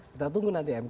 kita tunggu nanti mk